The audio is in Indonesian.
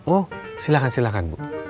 oh silakan silakan bu